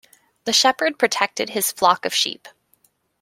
The shepherd protected his flock of sheep.